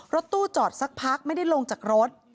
รถตู้จอดสักพักไม่ได้ลงจากรถ